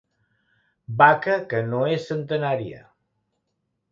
Vaca que no és centenària.